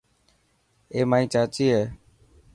اي مائي چاچي هي.